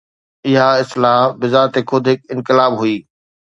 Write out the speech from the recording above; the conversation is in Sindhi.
اها اصلاح بذات خود هڪ انقلاب هئي.